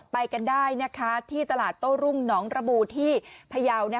ไปกันได้ที่ตลาดโต้รุ่งหนองระบูที่พยาว